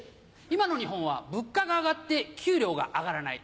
今の日本は物価が上がって給料が上がらない。